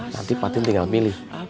nanti fatin tinggal milih